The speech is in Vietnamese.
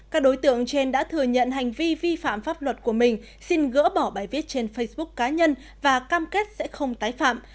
các đối tượng trên đã thừa nhận hành vi vi phạm pháp luật của mình xin gỡ bỏ bài viết trên facebook cá nhân và cam kết sẽ không tái phạm